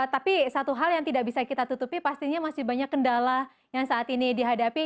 tapi satu hal yang tidak bisa kita tutupi pastinya masih banyak kendala yang saat ini dihadapi